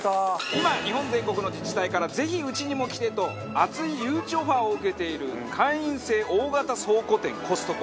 今日本全国の自治体から「ぜひうちにも来て」と熱い誘致オファーを受けている会員制大型倉庫店コストコ。